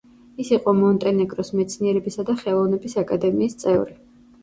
ის იყო მონტენეგროს მეცნიერებისა და ხელოვნების აკადემიის წევრი.